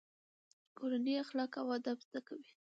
کورنۍ اخلاق او ادب زده کوي.